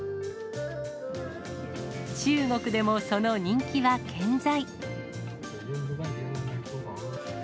中国でもその人気は健在。